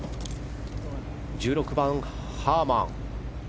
１６番、ハーマン。